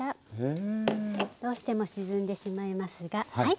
どうしても沈んでしまいますがはい。